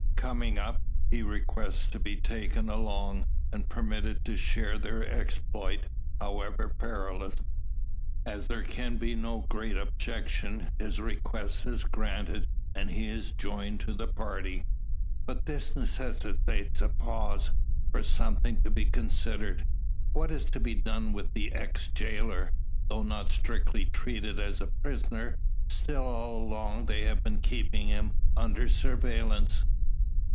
Coming up, he requests to be taken along, and permitted to share their exploit, however perilous. As there can be no great objection, his request is granted, and he is joined to the party. But this necessitates a pause, for something to be considered. What is to be done with the ex jailer? Though not strictly treated as a prisoner, still all along they have been keeping him under surveillance.